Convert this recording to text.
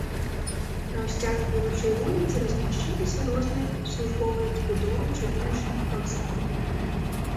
Наўсцяж будучай вуліцы размяшчаліся розныя службовыя пабудовы чыгуначнага вакзала.